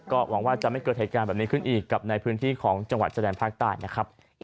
ก็หวังว่าจะไม่เกิดเหตุการณ์แบบนี้ขึ้นอีกกับในพื้นที่ของจังหวัดชายแดนภาคใต้นะครับ